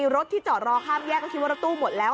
รถที่จอดรอข้ามแยกก็คิดว่ารถตู้หมดแล้ว